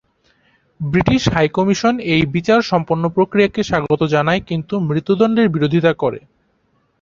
British High Commission এই বিচার সম্পন্ন প্রক্রিয়াকে স্বাগত জানায় কিন্তু মৃত্যুদণ্ডের বিরোধিতা করে।